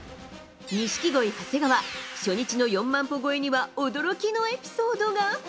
錦鯉・長谷川、初日の４万歩超えには驚きのエピソードが。